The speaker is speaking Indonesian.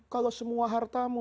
kalau semua hartamu